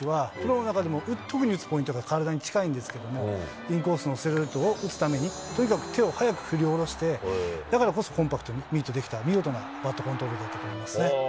出塁率が武器の近藤選手は、プロの中でも特に打つポイントが体に近いんですけれども、ストレートを打つために、とにかく手を早く振り下ろして、だからこそ、コンパクトにミートできた見事なバットコントロールだと思いますね。